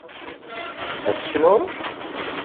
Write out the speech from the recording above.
Ad tecnum?